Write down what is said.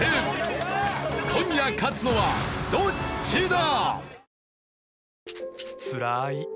今夜勝つのはどっちだ？